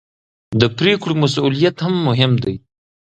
د پرېکړو مسوولیت مهم دی